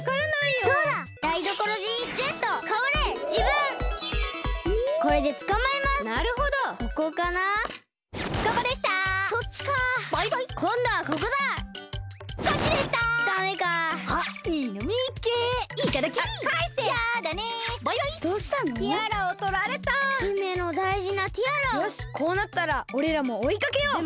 よしこうなったらおれらもおいかけよう！